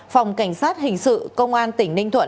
phòng cảnh sát hình sự công an tỉnh ninh thuận